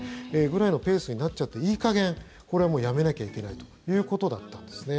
くらいのペースになっちゃっていい加減、これはもうやめなきゃいけないということだったんですね。